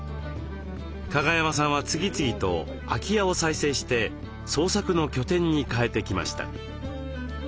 加賀山さんは次々と空き家を再生して創作の拠点に変えてきました。